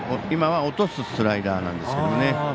今は落とすスライダーなんですけどね。